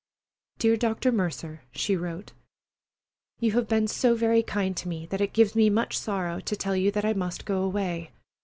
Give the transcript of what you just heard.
DEAR DR. MERCER [she wrote]: You have been so very kind to me that it gives me much sorrow to tell you that I must go away.